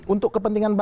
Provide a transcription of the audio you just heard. untuk kepentingan bangsa